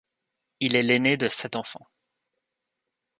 Il est l'aîné de sept enfants.